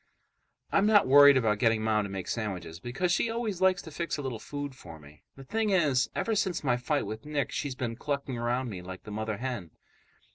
I'm not worried about getting Mom to make sandwiches because she always likes to fix a little food for me. The thing is, ever since my fight with Nick, she's been clucking around me like the mother hen.